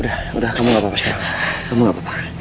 udah udah kamu gak apa apa sekarang kamu gak apa apa